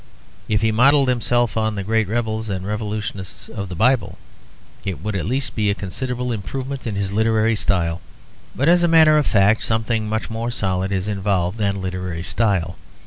If he modelled himself on the great rebels and revolutionists of the Bible, it would at least be a considerable improvement in his literary style. But as a matter of fact something much more solid is involved than literary style.